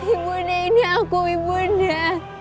ibu dia ini aku ibu dia